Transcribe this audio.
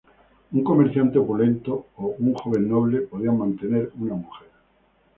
Un comerciante opulento, o un joven noble, podían mantener una mujer.